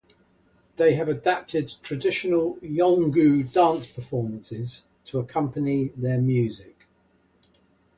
They have adapted traditional Yolngu dance performances to accompany their music.